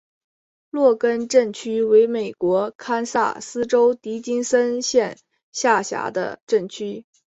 洛根镇区为美国堪萨斯州迪金森县辖下的镇区。